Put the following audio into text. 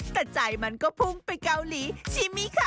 แต่ใจมันก็พุ่งไปเกาหลีชิมิค่ะ